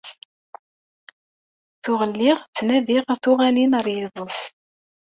Tuɣ lliɣ ttnadiɣ tuɣalin ar yiḍes.